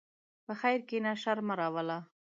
په خیر کښېنه، شر نه راوله.